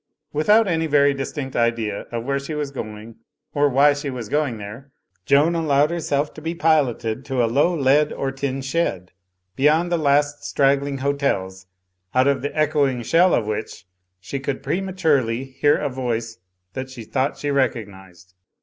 Without any very distinct idea of where she was going or why she was going there, Joan allowed her self to be piloted to a low lead or tin shed, beyond the last straggling hotels, out of the echoing shell of which she could prematurely hear a voice that she thought she recognised.